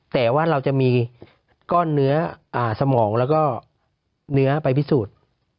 แต่ว่าเราจะมีก้อนเนื้อสมองแล้วก็เนื้อไปพิสูจน์